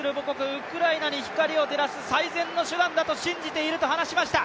ウクライナに光を照らす最善の手段だと信じていると話しました。